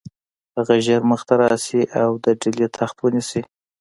هغه ژر مخته راشي او د ډهلي تخت ونیسي.